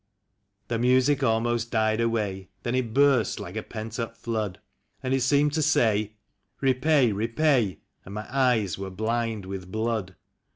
The music almost died away ... then it burst like a pent up flood; And it seemed to say, " Eepay, repay," and my eyes were blind with blood.